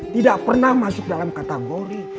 tidak pernah masuk dalam kategori